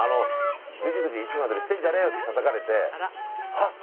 「ぐじぐじいつまでもしてんじゃねえよ」ってたたかれてハッと。